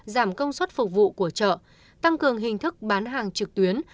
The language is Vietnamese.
giảm công suất phục vụ của chợ tăng cường hình thức bán hàng trực tuyến